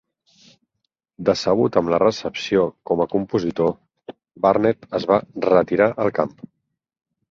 Decebut amb la recepció com a compositor, Barnett es va retirar al camp.